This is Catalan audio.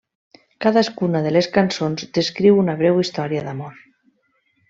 Cadascuna de les cançons descriu una breu història d'amor.